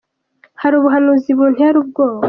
Hari ubuhanuzi buntera ubwoba.